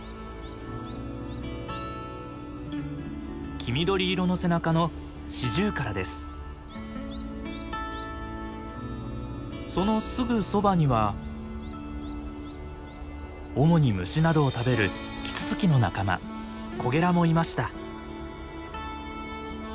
黄緑色の背中のそのすぐそばには主に虫などを食べるキツツキの仲間コゲラもいました。